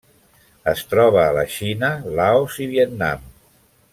Es troba a la Xina, Laos i Vietnam.